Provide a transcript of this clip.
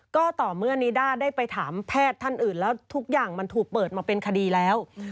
ก็ต่อเมื่อนิด้าได้ไปถามแพทย์ท่านอื่นแล้วทุกอย่างมันถูกเปิดมาเป็นคดีแล้ว